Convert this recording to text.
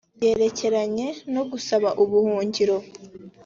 byerekeranye no gusaba ubuhungiro